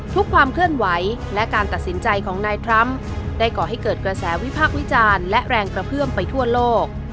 ความเคลื่อนไหวและการตัดสินใจของนายทรัมป์ได้ก่อให้เกิดกระแสวิพากษ์วิจารณ์และแรงกระเพื่อมไปทั่วโลก